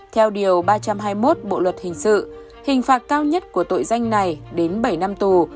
theo điều ba trăm hai mươi một bộ luật hình sự hình phạt cao nhất của tội danh này đến bảy năm tù